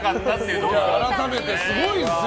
改めてすごいですよ。